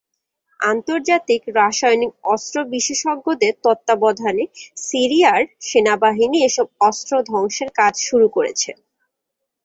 আন্তর্জাতিক রাসায়নিক অস্ত্র বিশেষজ্ঞদের তত্ত্বাবধানে সিরিয়ার সেনাবাহিনী এসব অস্ত্র ধ্বংসের কাজ শুরু করেছে।